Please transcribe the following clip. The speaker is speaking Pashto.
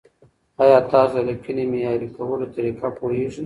ایا تاسو د لیکنې معیاري کولو طریقه پوهېږئ؟